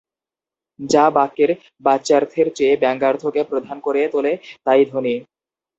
যা বাক্যের বাচ্যার্থের চেয়ে ব্যঙ্গ্যার্থকে প্রধান করে তোলে তা-ই ধ্বনি।